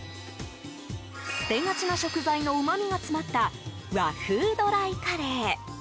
捨てがちな食材のうまみが詰まった和風ドライカレー。